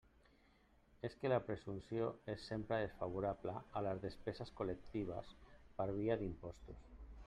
És que la presumpció és sempre desfavorable a les despeses col·lectives per via d'imposts.